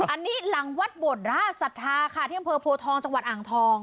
อันนี้หลังวัดบวชราสรรทาขาเที่ยงเพอโพทองจากหวัดอ่างทอง